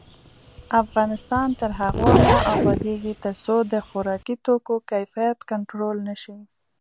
افغانستان تر هغو نه ابادیږي، ترڅو د خوراکي توکو کیفیت کنټرول نشي.